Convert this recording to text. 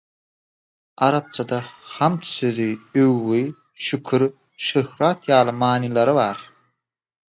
Arapçada „hamd“ sözi öwgi, şükür, şöhrat ýaly manylary berýär.